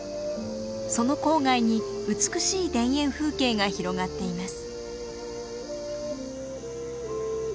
その郊外に美しい田園風景が広がっています。